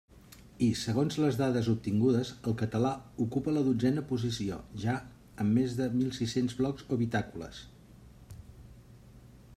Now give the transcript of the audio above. I, segons les dades obtingudes, el català ocupa la dotzena posició, ja, amb més de mil sis-cents blogs o bitàcoles.